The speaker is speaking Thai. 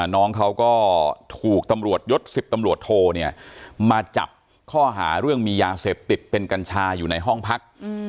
น้องเขาก็ถูกตำรวจยศ๑๐ตำรวจโทมาจับข้อหาเรื่องมียาเสพติดเป็นกัญชาอยู่ในห้องพัก